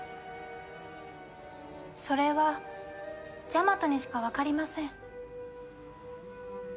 それはジャマトにしかわかりません。